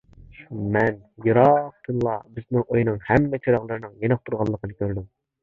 مەن يىراقتىنلا بىزنىڭ ئۆينىڭ ھەممە چىراغلىرىنىڭ يېنىق تۇرغانلىقىنى كۆردۈم.